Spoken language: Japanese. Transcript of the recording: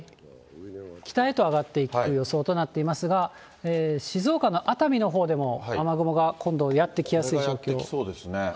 北へと上がっていく予想となっていますが、静岡の熱海のほうでも雨雲が今度、これがやって来そうですね。